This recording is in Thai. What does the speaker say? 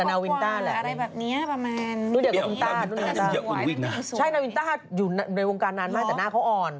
ใช่นาวินต้าอยู่ในวงการนานมากแต่หน้าเขาอ่อน